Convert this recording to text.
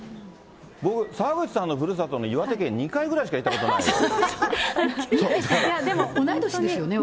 僕は澤口さんのふるさとの岩手県に２回ぐらいしか行ったことでも同い年ですね？